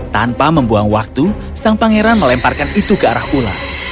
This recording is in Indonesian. tanpa membuang waktu sang pangeran melemparkan itu ke arah ular